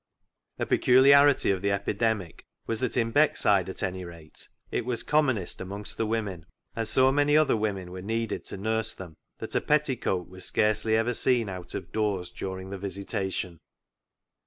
A peculiarity of the epidemic was that in Beckside, at anyrate, it was commonest amongst the women, and so many other women were needed to nurse them that a petticoat was scarcely ever seen out of doors during the visitation.